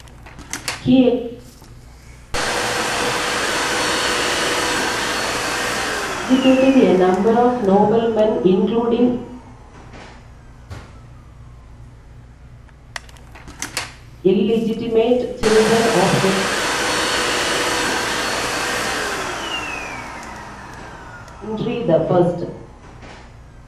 He educated a number of noblemen, including illegitimate children of Henry the First.